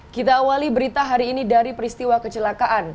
kita awali berita hari ini dari peristiwa kecelakaan